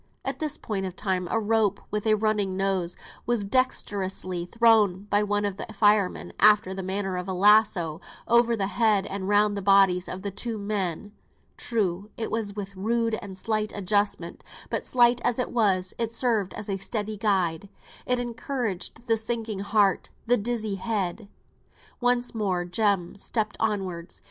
At this point of time a rope, with a running noose, was dexterously thrown by one of the firemen, after the manner of a lasso, over the head and round the bodies of the two men. True, it was with rude and slight adjustment: but, slight as it was, it served as a steadying guide; it encouraged the sinking heart, the dizzy head. Once more Jem stepped onwards.